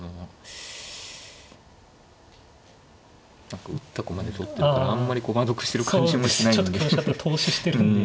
何か打った駒で取ってたらあんまり駒得してる感じもしないんで。